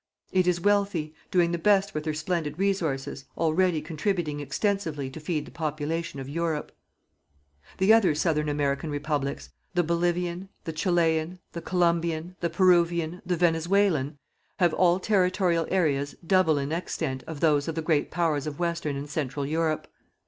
It is wealthy, doing the best with her splendid resources, already contributing extensively to feed the population of Europe. The other Southern American Republics the Bolivian, the Chilean, the Colombian, the Peruvian, the Venezuelan have all territorial areas double in extent of those of the Great Powers of Western and Central Europe.